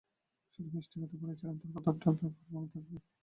শুধু মিষ্টি কথায় বলেছিলাম, তার ব্যবহারটা আমার মনে থাকবে।